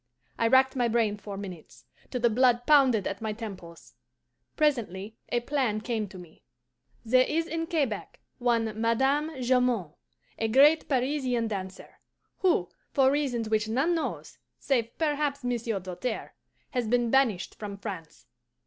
I racked my brain for minutes, till the blood pounded at my temples. Presently a plan came to me. "There is in Quebec one Madame Jamond, a great Parisian dancer, who, for reasons which none knows save perhaps Monsieur Doltaire, has been banished from France.